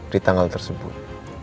di tanggal tersebut